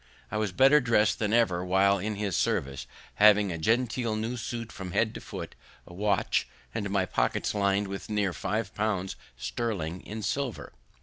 I was better dress'd than ever while in his service, having a genteel new suit from head to foot, a watch, and my pockets lin'd with near five pounds sterling in silver.